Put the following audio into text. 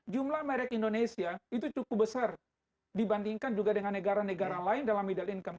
jumlah merek indonesia itu cukup besar dibandingkan juga dengan negara negara lain dalam middle income